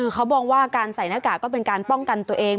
เขามองว่าการใส่หน้ากากก็เป็นการป้องกันตัวเอง